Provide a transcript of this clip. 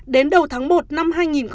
đến đầu tháng một năm hai nghìn hai mươi